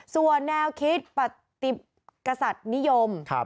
ส่วนแนวคิดปฏิกษัตริย์นิยม